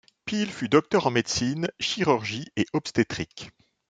Peel fut docteur en médecine, chirurgie et obstétrique.